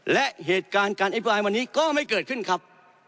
และเหตุการณ์การอภิปรายวันนี้ก็ไม่เกิดขึ้นครับ